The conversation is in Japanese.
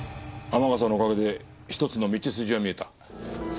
天笠のおかげで１つの道筋は見えた。